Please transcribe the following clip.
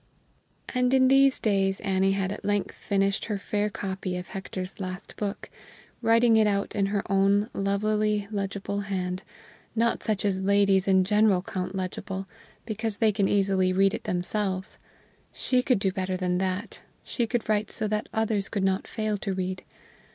And in these days Annie had at length finished her fair copy of Hector's last book, writing it out in her own lovelily legible hand not such as ladies in general count legible, because they can easily read it themselves; she could do better than that, she could write so that others could not fail to read.